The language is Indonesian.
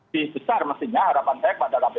di besar mestinya harapan saya kepada kppu